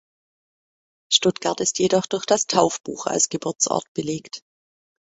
Stuttgart ist jedoch durch das Taufbuch als Geburtsort belegt.